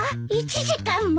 １時間も！？